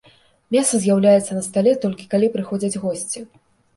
Мяса з'яўляецца на стале, толькі калі прыходзяць госці.